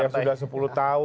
yang sudah sepuluh tahun